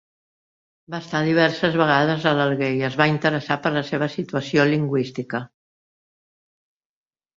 Va estar diverses vegades a l'Alguer i es va interessar per la seva situació lingüística.